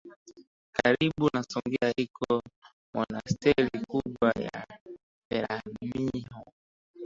Karibu na Songea iko monasteri kubwa ya Peramiho